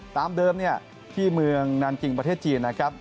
ตามเดิมที่เมืองนานกิงประเทศจีนนะครับ